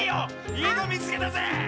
いいのみつけたぜ！